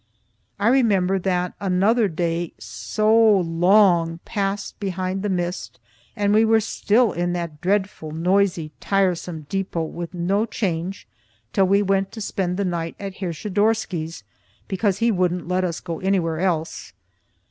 I remember that another day so o o long passed behind the mist, and we were still in that dreadful, noisy, tiresome depot, with no change, till we went to spend the night at Herr Schidorsky's, because they wouldn't let us go anywhere else.